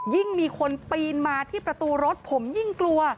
ยิ่งมีคนปีนมาที่ประตูรถผมยิ่งกลัว